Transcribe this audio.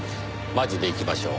マジで行きましょう。